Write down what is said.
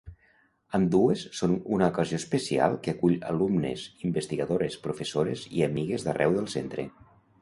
Ambdues són una ocasió especial que acull alumnes, investigadores, professores i amigues d'arreu del Centre.